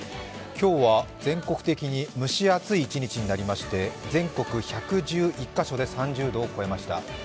今日は全国的に蒸し暑い一日になりまして全国１１１カ所で３０度を超えました。